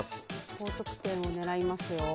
高得点を狙いますよ。